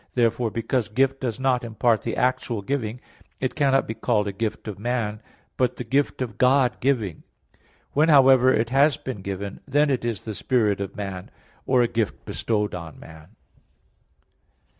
Therefore, because "Gift" does not import the actual giving, it cannot be called a gift of man, but the Gift of God giving. When, however, it has been given, then it is the spirit of man, or a gift bestowed on man.